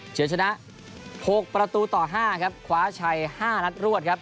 เฉยเฉยชนะโพกประตูต่อห้าครับคว้าชัยห้านัดรวดครับ